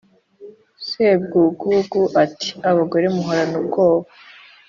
" sebwugugu ati: "abagore muhorana ubwoba!